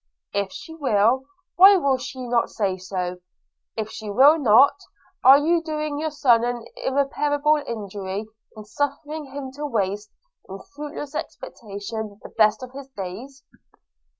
– If she will, why will she not say so? – If she will not, are not you doing your son an irreparable injury, in suffering him to waste, in fruitless expectation, the best of his days?'